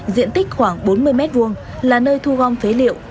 diện tích khoảng bốn mươi m hai là nơi thu gom phế liệu